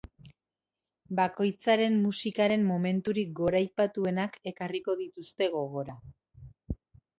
Bakoitzaren musikaren momenturik goraipatuenak ekarriko dituzte gogora.